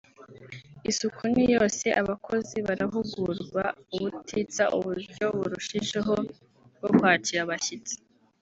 Isuku ni yose abakozi barahugurwa ubutitsa uburyo burushijeho bwo kwakira abashyitsi